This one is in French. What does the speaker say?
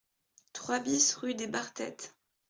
trois BIS rue des Barthètes